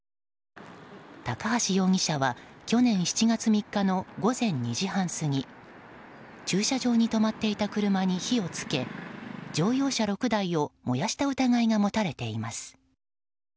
高橋容疑者は去年７月３日の午前２時半過ぎ駐車場に止まっていた車に火を付け乗用車６台を燃やした疑いが持たれています。